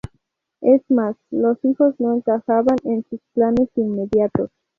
Es más, los hijos no encajaban en sus planes inmediatos.